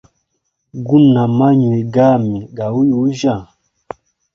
Guna maywi gami gauyujya?